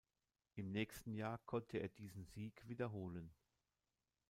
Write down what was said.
Im nächsten Jahr konnte er diesen Sieg wiederholen.